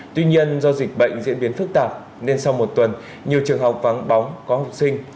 tuy nhiên do dịch bệnh diễn biến phức tạp nên sau một tuần nhiều trường học vắng bóng có học sinh